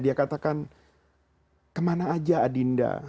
dia katakan kemana aja adinda